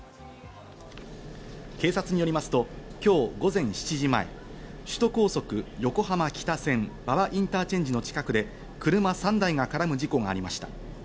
警察によりますと、今日午前７時前、首都高速横浜北線、馬場インターチェンジ近くで車３台が絡む事故がありました。